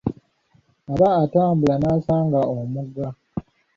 Aba atambula n'asanga omugga.